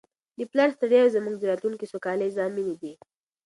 د پلار ستړیاوې زموږ د راتلونکي د سوکالۍ ضامنې دي.